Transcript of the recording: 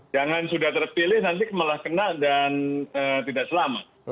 jangan sudah terpilih nanti malah kena dan tidak selamat